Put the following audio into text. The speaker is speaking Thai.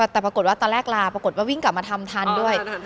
แต่ปรากฏว่าตอนแรกลาปรากฏว่าวิ่งกลับมาทำทันด้วย